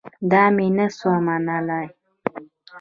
دا مې نه سو منلاى.